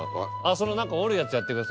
その折るやつやってください。